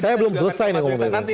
saya belum selesai nih